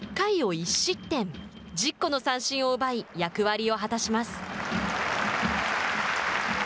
１０個の三振を奪い役割を果たします。